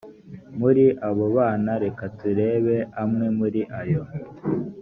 muri abo bana reka turebe amwe muri yo